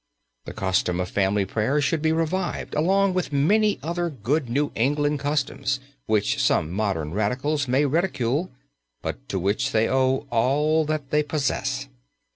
The custom of family prayers should be revived along with many other good New England customs which some modern radicals may ridicule, but to which they owe all that they possess.